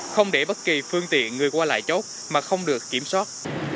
không để bất kỳ phương tiện người qua lại chốt mà không được kiểm soát